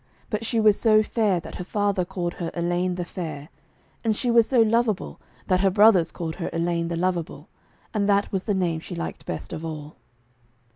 But she was so fair that her father called her 'Elaine the Fair,' and she was so lovable that her brothers called her 'Elaine the Lovable,' and that was the name she liked best of all.